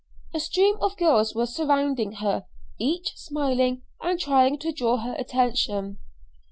A stream of girls were surrounding her, each smiling and trying to draw her attention.